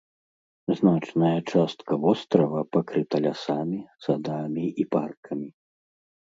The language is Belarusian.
Значная частка вострава пакрыта лясамі, садамі і паркамі.